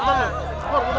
buah buah buah